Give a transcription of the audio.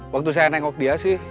waktu saya nengok dia sih